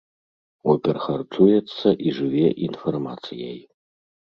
Опер харчуецца і жыве інфармацыяй.